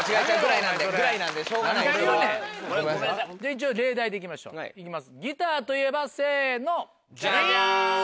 一応例題でいきましょうギターといえばせの。